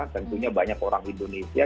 tentunya banyak orang indonesia